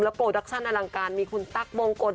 โปรดักชั่นอลังการมีคุณตั๊กมงคล